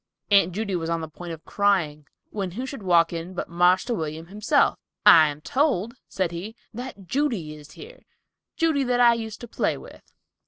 Aunt Judy was on the point of crying, when who should walk in but "Marster William" himself. "I am told," said he, "that Judy is here, Judy, that I used to play with."